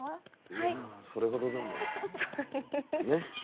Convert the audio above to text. いやそれほどでも。ね？ね。